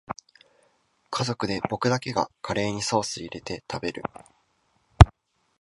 家族で僕だけがカレーにソースいれて食べる